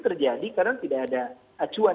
terjadi karena tidak ada acuan